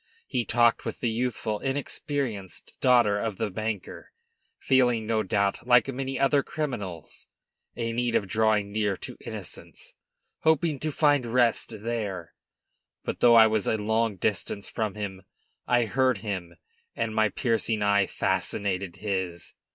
He talked with the youthful, inexperienced daughter of the banker, feeling, no doubt, like many other criminals, a need of drawing near to innocence, hoping to find rest there. But, though I was a long distance from him, I heard him, and my piercing eye fascinated his.